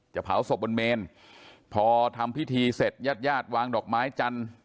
เผาศพบนเมนพอทำพิธีเสร็จญาติญาติวางดอกไม้จันทร์